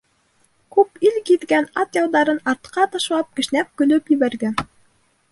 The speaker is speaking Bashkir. Күп ил гиҙгән Ат ялдарын артҡа ташлап, кешнәп-көлөп ебәргән: